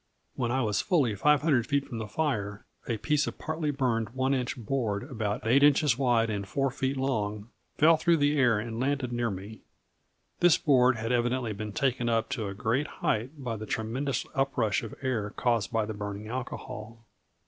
When I was fully 500 feet from the fire, a piece of partly burned one inch board, about 8 inches wide and 4 feet long, fell through the air and landed near me. This board had evidently been taken up to a great height by the tremendous uprush of air caused by the burning alcohol."